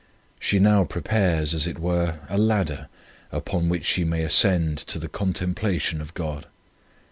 She now prepares, as it were, a ladder upon which she may ascend to the contemplation of God.